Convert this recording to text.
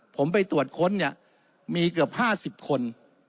ผมไปตรวจค้นเนี้ยมีเกือบห้าสิบคน